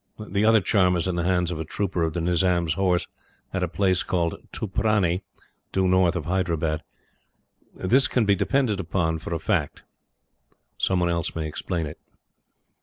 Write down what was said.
[The other charm is in the hands of a trooper of the Nizam's Horse, at a place called Tuprani, due north of Hyderabad.] This can be depended upon for a fact. Some one else may explain it.